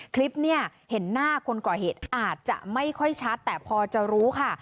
คลิปเนี่ยเห็นหน้าคนก่อเหตุอาจจะไม่ค่อยชัดแต่พอจะรู้ค่ะ